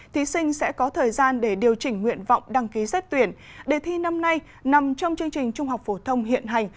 thí sinh sẽ có thời gian để điều chỉnh nguyện vọng đăng ký xét tuyển đề thi năm nay nằm trong chương trình trung học phổ thông hiện hành